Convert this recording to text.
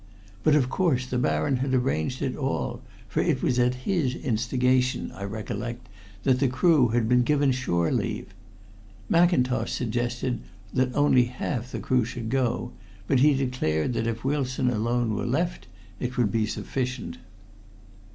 But of course the Baron had arranged it all, for it was at his instigation, I recollect, that the crew had been given shore leave. Mackintosh suggested that only half the crew should go, but he declared that if Wilson alone were left it would be sufficient."